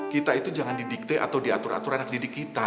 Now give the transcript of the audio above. kita itu jangan didikte atau diatur atur anak didik kita